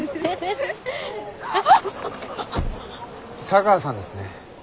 茶川さんですね。